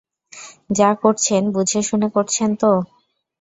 যা করছেন বুঝেশুনে করছেন তো?